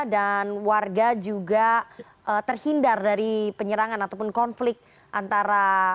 dan warga juga terhindar dari penyerangan ataupun konflik antara